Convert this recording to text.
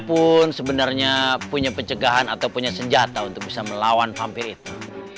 siapapun sebenarnya punya pencegahan atau punya senjata untuk bisa melawan vampir itu